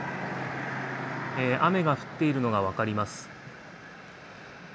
雨が降っているのが分かります。